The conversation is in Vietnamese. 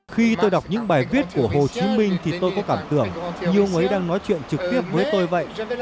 khi tôi đọc những bài viết của hồ chí minh thì tôi có cảm tưởng nhiều người đang nói chuyện trực tiếp với tôi vậy